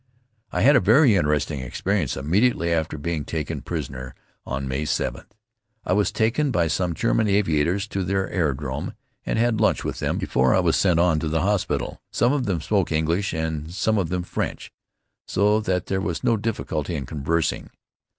I had a very interesting experience, immediately after being taken prisoner on May 7th. I was taken by some German aviators to their aerodrome and had lunch with them before I was sent on to the hospital. Some of them spoke English and some of them French, so that there was no difficulty in conversing.